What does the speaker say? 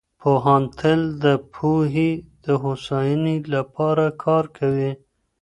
پوهان تل د ټولني د هوساینې لپاره کار کوي.